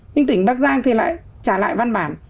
nhưng tỉnh bắc giang thì lại trả lại văn bản